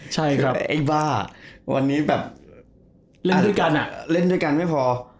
ใช่ครับแต่ไอ้บ้าวันนี้แบบเล่นด้วยกันอ่ะเล่นด้วยกันไม่พอ